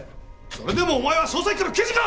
それでもお前は捜査一課の刑事か！？